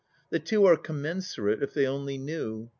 The two are commensurate if they only knew.